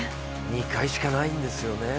２回しかないんですよね